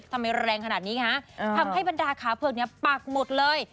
ทำไมแรงขนาดนี้คะทำให้บรรดาขาเพลิกปากหมดเลย